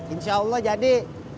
insya allah jadi